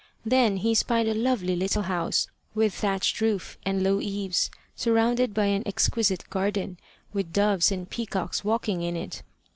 Then he spied a lovely little house, with thatched roof and low eaves, surrounded by an exquisite garden, with doves and peacocks walking in it.